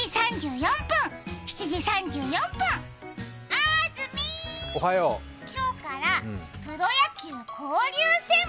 あーずみー、今日からプロ野球交流戦。